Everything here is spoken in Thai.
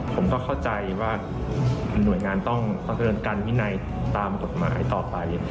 ผมก็เข้าใจว่าหน่วยงานต้องประเมินการวินัยตามกฎหมายต่อไป